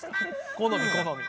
好み好み。